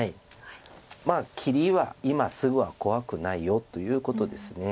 まあ切りは今すぐは怖くないよということです。